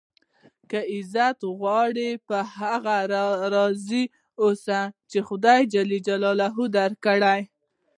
که عزت غواړئ؟ په هغه راضي اوسئ، چي خدای جل جلاله درکړي دي.